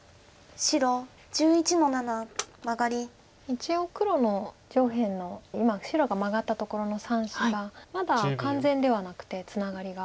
一応黒の上辺の今白がマガったところの３子がまだ完全ではなくてツナガリが。